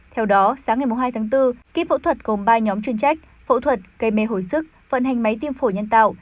theo đó sáng ngày hai tháng bốn ký phẫu thuật gồm ba nhóm chuyên trách phẫu thuật cây mê hồi sức vận hành máy tim phổ nhân tạo